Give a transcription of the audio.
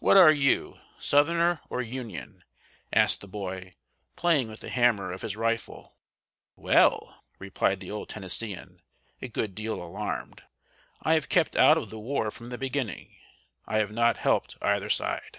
"What are you, Southerner or Union?" asked the boy, playing with the hammer of his rifle. "Well," replied the old Tennesseean, a good deal alarmed, "I have kept out of the war from the beginning; I have not helped either side."